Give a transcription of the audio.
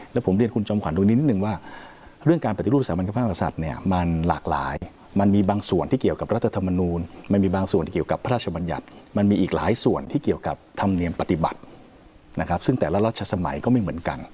แล้วผมเรียนคุณจอมขวัญดูนิดนึงว่าเรื่องการปฏิรูปสถาบันพระกษัตริย์เนี่ยมันหลากหลายมันมีบางส่วนที่เกี่ยวกับรัฐธรรมนูลมันมีบางส่วนที่เกี่ยวกับพระราชบัญญัติมันมีอีกหลายส่วนที่เกี่ยวกับธรรมเนียมปฏิบัตินะครับซึ่งแต่ละรัชสมัยก็ไม่เหมือนกัน